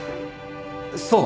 そう！